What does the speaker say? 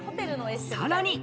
さらに。